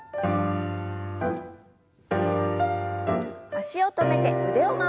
脚を止めて腕を回します。